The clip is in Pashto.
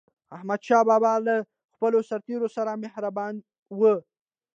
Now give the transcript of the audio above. احمدشاه بابا به له خپلو سرتېرو سره مهربان و.